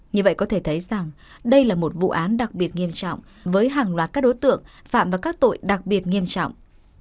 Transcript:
như vậy có thể thấy rằng đây là một vụ án đặc biệt nghiêm trọng với hàng loạt các đối tượng phạm vào các tội đặc biệt nghiêm trọng